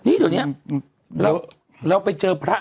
นี่เดี๋ยวนี้เราไปเจอพระ